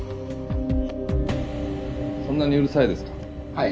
・はい。